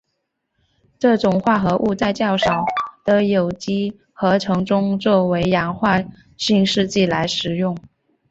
这种化合物在较少的有机合成中作为氧化性试剂来使用。